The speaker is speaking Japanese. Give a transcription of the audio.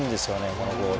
このボール。